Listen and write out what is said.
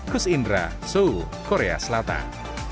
kus indra seoul korea selatan